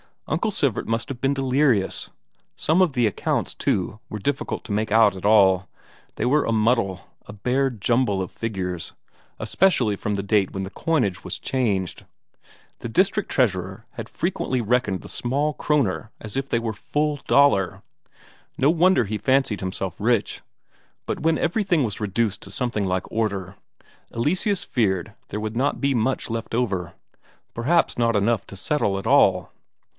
Uncle Sivert must have been delirious. Some of the accounts, too, were difficult to make out at all; they were a muddle, a bare jumble of figures, especially from the date when the coinage was changed; the district treasurer had frequently reckoned the small Kroner as if they were full Daler. No wonder he fancied himself rich! But when everything was reduced to something like order, Eleseus feared there would not be much left over. Perhaps not enough to settle at all.